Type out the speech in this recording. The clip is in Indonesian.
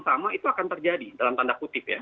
sama itu akan terjadi dalam tanda kutip ya